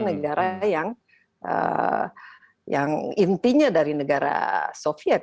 negara yang intinya dari negara soviet